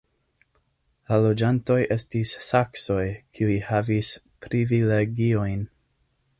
La loĝantoj estis saksoj, kiuj havis privilegiojn.